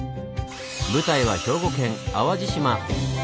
舞台は兵庫県淡路島。